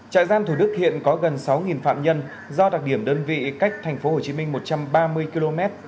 trại gian thủ đức hiện có gần sáu phạm nhân do đặc điểm đơn vị cách thành phố hồ chí minh một trăm ba mươi km